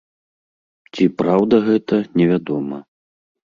Ці праўда гэта, невядома.